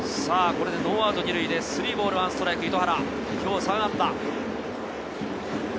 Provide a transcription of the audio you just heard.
これでノーアウト２塁で３ボール１ストライク、糸原、今日３安打。